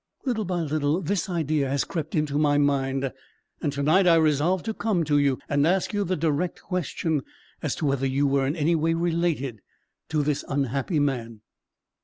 Little by little this idea has crept into my mind, and to night I resolved to come to you, and ask you the direct question, as to whether you were in any way related to this unhappy man."